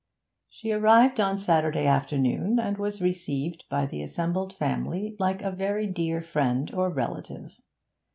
She arrived on Saturday afternoon, and was received by the assembled family like a very dear friend or relative.